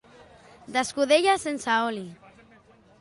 D'escudella sense oli.